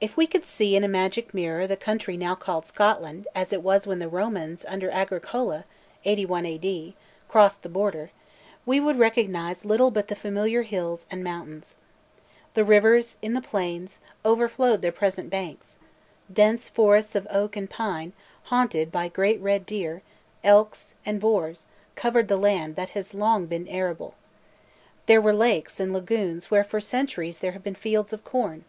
If we could see in a magic mirror the country now called Scotland as it was when the Romans under Agricola (81 A.D.) crossed the Border, we should recognise little but the familiar hills and mountains. The rivers, in the plains, overflowed their present banks; dense forests of oak and pine, haunted by great red deer, elks, and boars, covered land that has long been arable. There were lakes and lagoons where for centuries there have been fields of corn.